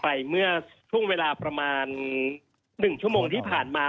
ผมได้รับการยืนยันไปเมื่อช่วงเวลาประมาณ๑ชั่วโมงที่ผ่านมา